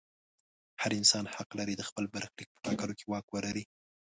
هر انسان حق لري د خپل برخلیک په ټاکلو کې واک ولري.